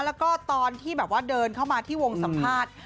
และก็ตอนที่เดินเข้ามาที่วงสัมภาษณ์